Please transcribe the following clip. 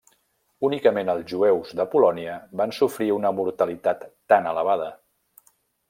Únicament els jueus de Polònia van sofrir una mortalitat tan elevada.